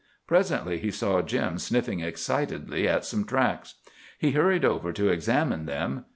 Presently he saw Jim sniffing excitedly at some tracks. He hurried over to examine them.